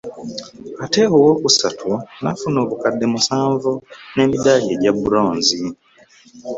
Ate owookusatu n'afuna obukadde musanvu n'emiddaali egya Bronze